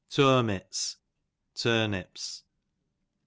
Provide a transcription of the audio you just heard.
Turmits, turnips.